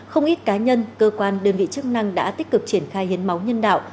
không ít cá nhân cơ quan đơn vị chức năng đã tích cực triển khai hiến máu nhân đạo